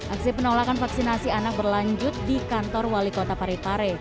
aksi penolakan vaksinasi anak berlanjut di kantor wali kota parepare